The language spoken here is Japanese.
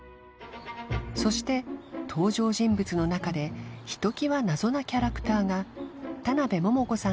そして登場人物の中でひときわ謎のキャラクターが田辺桃子さん